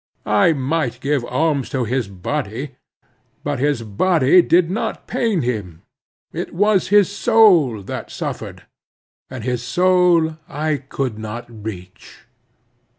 I might give alms to his body; but his body did not pain him; it was his soul that suffered, and his soul I could not reach.